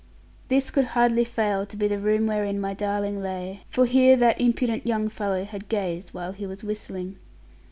This could hardly fail to be the room wherein my darling lay; for here that impudent young fellow had gazed while he was whistling.